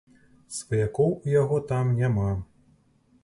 Сваякоў у яго там няма.